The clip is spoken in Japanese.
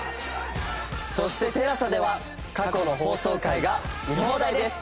そしてＴＥＬＡＳＡでは過去の放送回が見放題です。